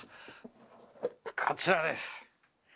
こちらです。